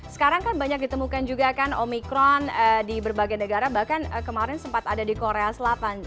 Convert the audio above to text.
sekarang kan banyak ditemukan juga kan omikron di berbagai negara bahkan kemarin sempat ada di korea selatan